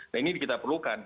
nah ini kita perlukan